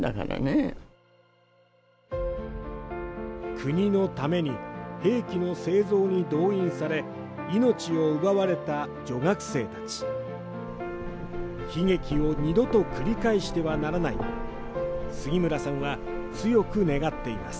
国のために兵器の製造に動員され命を奪われた女学生たち、悲劇を二度と繰り返してはならない杉村さんは、強く願っています。